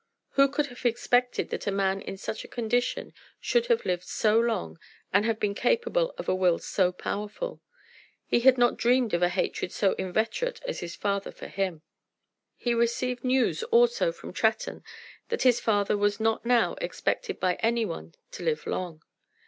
Who could have expected that a man in such a condition should have lived so long, and have been capable of a will so powerful? He had not dreamed of a hatred so inveterate as his father's for him. He received news also from Tretton that his father was not now expected by any one to live long.